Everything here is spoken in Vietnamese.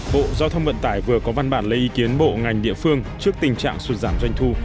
bộ giao thông vận tải vừa có văn bản lấy ý kiến bộ ngành địa phương trước tình trạng sụt giảm doanh thu